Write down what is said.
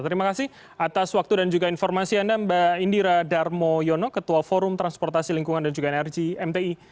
terima kasih atas waktu dan juga informasi anda mbak indira darmoyono ketua forum transportasi lingkungan dan juga nrjmti